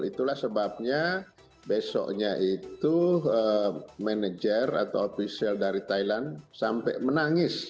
itulah sebabnya besoknya itu manajer atau ofisial dari thailand sampai menangis